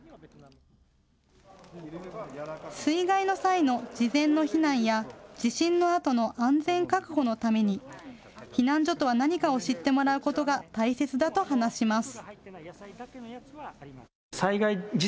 水害の際の事前の避難や地震のあとの安全確保のために避難所とは何かを知ってもらうことが大切だと話します。